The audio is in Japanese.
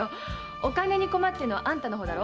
お金に困ってんのはあんたの方だろ？